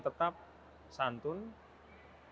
tetap menghargai orang lain